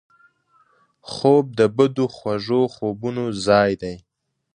خوب د بدو خوږو خوبونو ځای دی